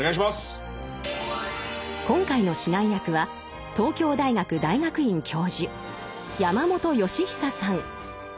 今回の指南役は東京大学大学院教授山本芳久さん。